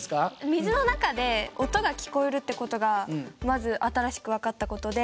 水の中で音が聞こえるって事がまず新しく分かった事で。